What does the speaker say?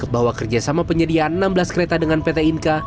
bahwa kerjasama penyediaan enam belas kereta dengan pt inka